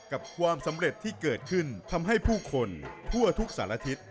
ความสำเร็จที่เกิดขึ้นทำให้ผู้คนทั่วทุกสารทิศ